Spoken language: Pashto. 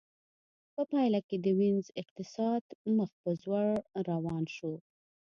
په پایله کې د وینز اقتصاد مخ په ځوړ روان شو